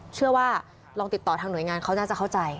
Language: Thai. เชื่อว่าลองติดต่อทางหน่วยงานเขาน่าจะเข้าใจ